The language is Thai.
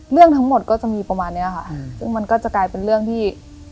เรื่องทั้งหมดก็จะมีประมาณนี้ค่ะซึ่งมันก็จะกลายเป็นเรื่องที่